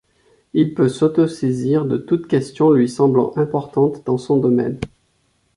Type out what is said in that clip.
Il peut s'autosaisir de toute question lui semblant importante dans son domaine.